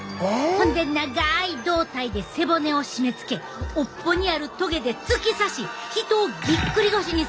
ほんで長い胴体で背骨を締めつけ尾っぽにあるトゲで突き刺し人をぎっくり腰にするんやて。